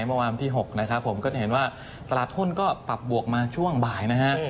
เมื่อวานที่๖ก็จะเห็นว่าตลาดทุนก็ปรับบวกมาช่วงบ่ายนะฮะ